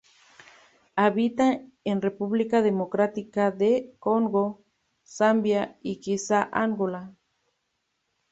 Habita en República Democrática del Congo, Zambia y quizá Angola.